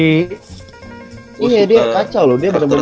oh iya dia kacau loh dia bener bener